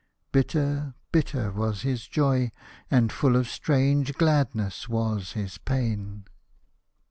Bitter, bitter was his joy, and full of strange glad ness was his pain.